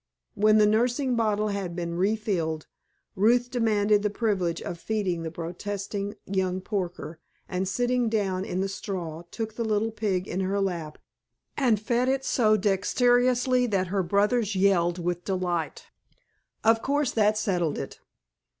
When the nursing bottle had been refilled Ruth demanded the privilege of feeding the protesting young porker, and sitting down in the straw took the little pig in her lap and fed it so dexterously that her brothers yelled with delight. Of course that settled it.